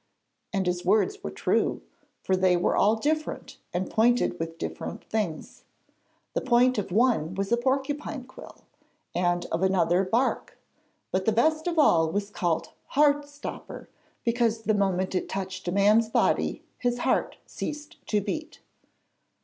And his words were true, for they were all different, and pointed with different things. The point of one was a porcupine quill, and of another bark, but the best of all was called Heart stopper, because the moment it touched a man's body his heart ceased to beat.